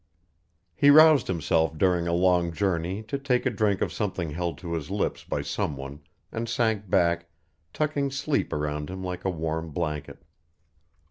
He roused himself during a long journey to take a drink of something held to his lips by someone, and sank back, tucking sleep around him like a warm blanket.